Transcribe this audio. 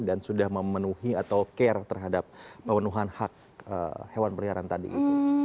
dan sudah memenuhi atau care terhadap pemenuhan hak hewan peliharaan tadi gitu